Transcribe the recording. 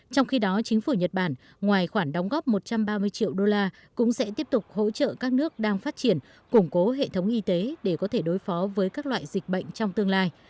trong khi đó chính phủ nhật bản ngoài khoản đóng góp một trăm ba mươi triệu đô la cũng sẽ tiếp tục hỗ trợ các nước đang phát triển củng cố hệ thống y tế để có thể đối phó với các loại dịch bệnh trong tương lai